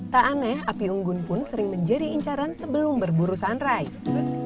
tak aneh api unggun pun sering menjadi incaran sebelum berburu sunrise